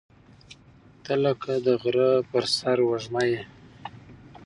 • ته لکه د غره پر سر وږمه یې.